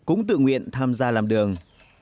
cũng tự nguyện tham gia làm đường